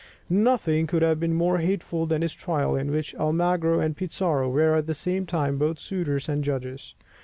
Nothing could have been more hateful than this trial, in which Almagro and Pizarro were at the same time both suitors and judges.